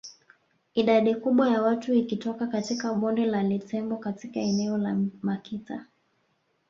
Idadi kubwa ya watu ikitoka katika bonde la Litembo katika eneo la Makita